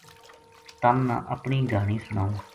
تَم نا اپنی گہانی سناؤں